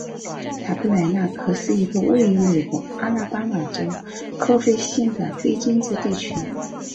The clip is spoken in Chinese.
塔布莱纳可是一个位于美国阿拉巴马州科菲县的非建制地区。